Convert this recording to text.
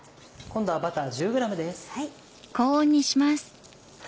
今度はバター１０ｇです。